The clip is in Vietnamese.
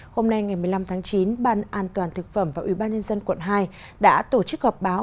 hôm nay ngày một mươi năm tháng chín ban an toàn thực phẩm và ubnd quận hai đã tổ chức họp báo